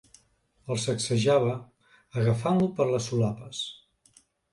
El sacsejava agafant-lo per les solapes.